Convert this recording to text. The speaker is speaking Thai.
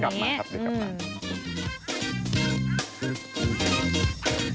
คนก็ไปแซวเขาอย่างนี้